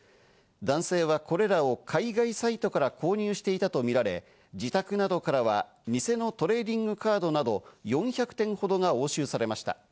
男性はこれらを海外サイトから購入していたとみられ、自宅などからは偽のトレーディングカードなど、４００点ほどが押収されました。